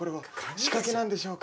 仕掛けなんでしょうか。